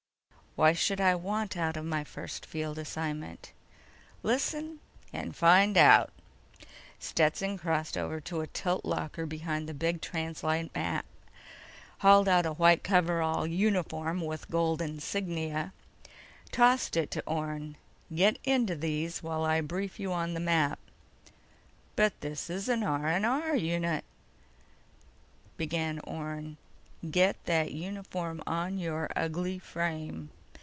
"Why should I want out of my first field assignment?" "Listen, and find out." Stetson crossed to a tilt locker behind the big translite map, hauled out a white coverall uniform with gold insignia, tossed it to Orne. "Get into these while I brief you on the map." "But this is an R&R uni—" began Orne. "Get that uniform on your ugly frame!"